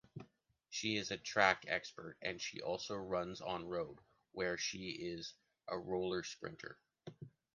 She is a track expert, and she also runs on road, where she is a rouleur-sprinter.